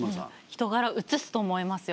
人柄映すと思いますよ。